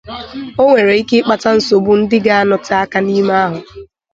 Onwere ike ịkpata nsogbu ndị ga-anote aka n'ime ahụ.